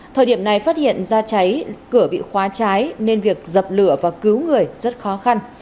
thời điểm này phát hiện ra cháy cửa bị khóa cháy nên việc dập lửa và cứu người rất khó khăn